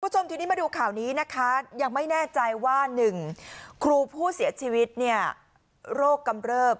คุณผู้ชมทีนี้มาดูข่าวนี้นะคะยังไม่แน่ใจว่า๑ครูผู้เสียชีวิตเนี่ยโรคกำเริบ